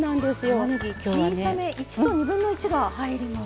たまねぎ小さめ１と２分の１が入ります。